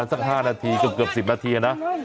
ช่วยเจียมช่วยเจียม